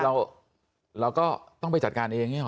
เราก็ต้องไปจัดการเองเนี่ยหรอ